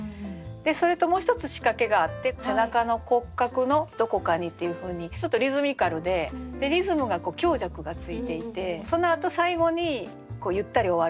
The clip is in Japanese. でそれともう１つ仕掛けがあって「背中の骨格のどこかに」っていうふうにちょっとリズミカルでリズムが強弱がついていてそのあと最後にゆったり終わるっていう。